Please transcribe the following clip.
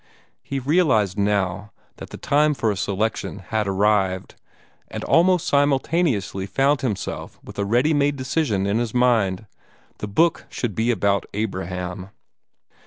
He realized now that the time for a selection had arrived, and almost simultaneously found himself with a ready made decision in his mind. The book should be about Abraham!